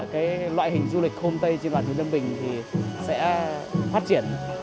cái loại hình du lịch hôm tây trên đoàn huyện lâm bình thì sẽ phát triển